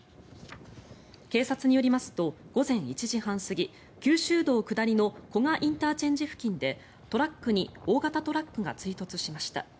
警察によりますと午前１時半過ぎ九州道下りの古賀ＩＣ付近でトラックに大型トラックが追突しました。